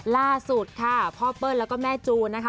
ล่าสุดค่ะพ่อเปิ้ลแล้วก็แม่จูนนะคะ